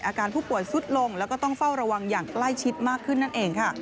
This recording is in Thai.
อาการผู้ป่วยสุดลงแล้วก็ต้องเฝ้าระวังอย่างใกล้ชิดมากขึ้นนั่นเองค่ะ